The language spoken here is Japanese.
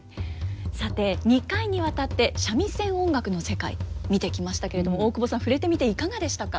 さて２回にわたって三味線音楽の世界見てきましたけれども大久保さん触れてみていかがでしたか。